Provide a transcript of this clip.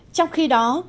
trong khi đó